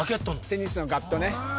テニスのガットね